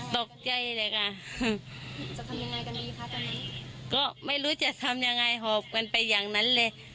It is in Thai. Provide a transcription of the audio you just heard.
ตกใจเลยกันก็ไม่รู้จะทำยังไงหอบกันไปอย่างนั้นเลย